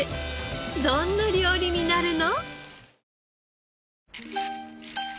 どんな料理になるの？